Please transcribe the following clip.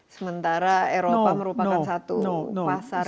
sementara eropa merupakan satu pasar